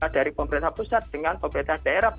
dari pemerintah pusat dengan pemerintah daerah